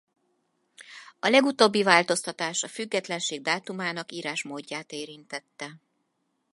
A legutóbbi változtatás a függetlenség dátumának írásmódját érintette.